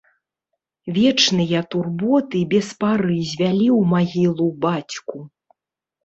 Вечныя турботы без пары звялі ў магілу бацьку.